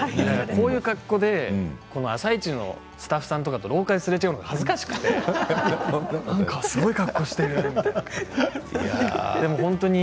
こういうい格好で「あさイチ」のスタッフさんとすれ違うのが難しくてすごい格好してるみたいな感じで。